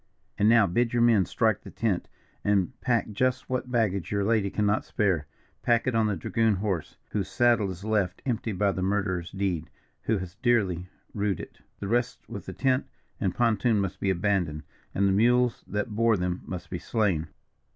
"And now bid your men strike the tent, and pack just what baggage your lady cannot spare. Pack it on the dragoon horse, whose saddle is left empty by that murderer's deed, who has dearly rued it. The rest with the tent and pontoon must be abandoned, and the mules that bore them must be slain.